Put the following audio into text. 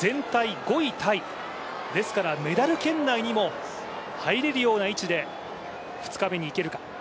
ですからメダル圏内にも入れるような位置で２日目にいけるか。